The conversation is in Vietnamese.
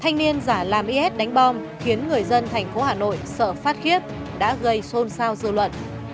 thanh niên giả làm is đánh bom khiến người dân tp hà nội sợ phát khiếp đã gây xôn xao dư luận